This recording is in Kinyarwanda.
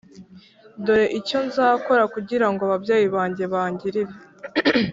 Dore icyo nzakora kugira ngo ababyeyi banjye bangirire